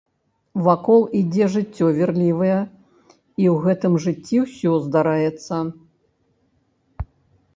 Вакол ідзе жыццё вірлівае, і ў гэтым жыцці ўсё здараецца.